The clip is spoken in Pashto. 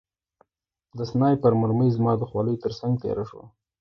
د سنایپر مرمۍ زما د خولۍ ترڅنګ تېره شوه